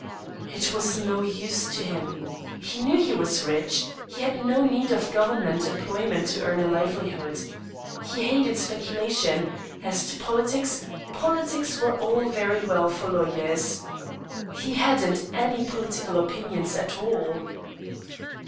It was no use to him. He knew he was rich. He had no need of government employment to earn a livelihood. He 40 THE STEEL HAMMER. hated speculation ; as to politics, politics were all very well for law yers. He hadn't any political opinions at all.